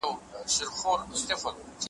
پر مخ د مځکي د جنتونو ,